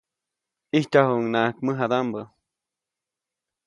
ʼIjtyajuʼuŋnaʼak mäʼadaʼmbä.